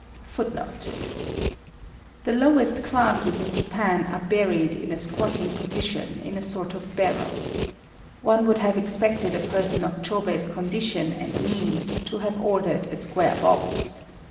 [Footnote 30: The lowest classes in Japan are buried in a squatting position, in a sort of barrel. One would have expected a person of Chôbei's condition and means to have ordered a square box.